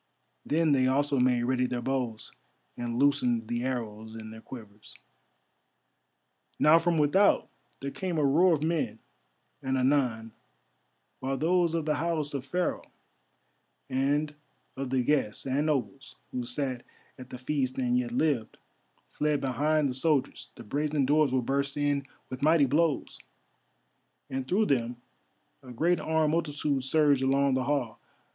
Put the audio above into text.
Then they also made ready their bows and loosened the arrows in their quivers. Now from without there came a roar of men, and anon, while those of the house of Pharaoh, and of the guests and nobles, who sat at the feast and yet lived, fled behind the soldiers, the brazen doors were burst in with mighty blows, and through them a great armed multitude surged along the hall.